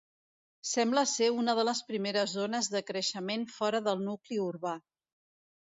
Sembla ser una de les primeres zones de creixement fora del nucli urbà.